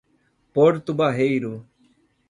Porto Barreiro